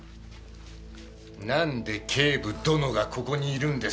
なんで警部殿がここにいるんですかね？